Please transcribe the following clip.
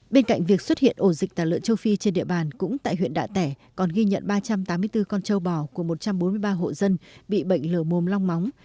bên cạnh việc xuất hiện ổ dịch tà lợn châu phi trên địa bàn cũng tại huyện đạ tẻ còn ghi nhận ba trăm tám mươi bốn con châu bò của một trăm bốn mươi ba hộ dân bị bệnh lở mồm long móng